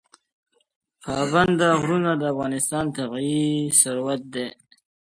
پابندی غرونه د افغانستان طبعي ثروت دی.